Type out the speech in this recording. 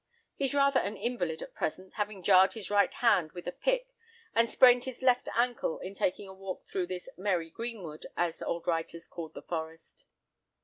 He's rather an invalid at present, having jarred his right hand with a pick, and sprained his left ankle in taking a walk through this 'merry greenwood,' as old writers called the forest."